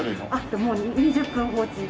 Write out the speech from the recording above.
もう２０分放置。